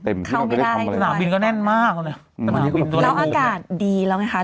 เข้าไม่ได้ค่ะคุยค่ะแล้วอากาศดีแล้วเนี้ยค่ะ